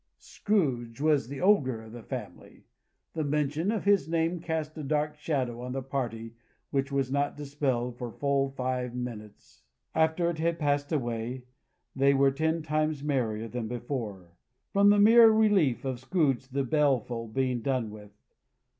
Scrooge was the Ogre of the family. The mention of his name cast a dark shadow on the party, which was not dispelled for full five minutes. After it had passed away, they were ten times merrier than before, from the mere relief of Scrooge the Baleful being done with.